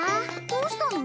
どうしたの？